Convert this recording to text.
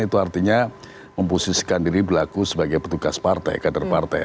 itu artinya memposisikan diri berlaku sebagai petugas partai kader partai